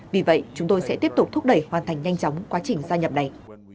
vì vậy chúng tôi sẽ tiếp tục thúc đẩy hoàn thành nhanh chóng quá trình gia nhập này